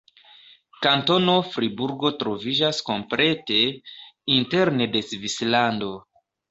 Kantono Friburgo troviĝas komplete interne de Svislando.